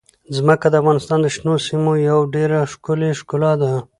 ځمکه د افغانستان د شنو سیمو یوه ډېره ښکلې ښکلا ده.